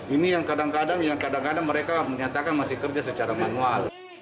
ini yang kadang kadang mereka menyatakan masih kerja secara manual